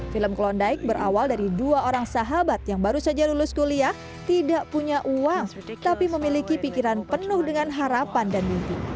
film klondike berawal dari dua orang sahabat yang baru saja lulus kuliah tidak punya uang tapi memiliki pikiran penuh dengan harapan dan mimpi